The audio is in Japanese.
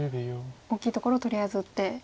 大きいところをとりあえず打って。